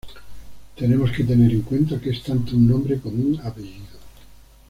Tenemos que tener en cuenta que es tanto un nombre como un apellido.